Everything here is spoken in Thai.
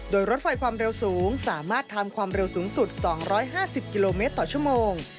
โดยรถไฟความเร็วสูงสามารถทำความเร็วสูงสุด๒๕๐กิโลเมตรต่อชั่วโมง